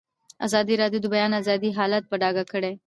ازادي راډیو د د بیان آزادي حالت په ډاګه کړی.